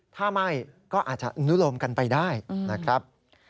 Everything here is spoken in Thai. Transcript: ถ้าไม่ก็อาจจะอนุโลมกันไปได้นะครับ